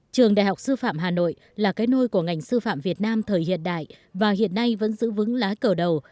trường đại học sư phạm hà nội là cái nôi của ngành sư phạm việt nam thời hiện đại và hiện nay vẫn giữ vững lá cờ đầu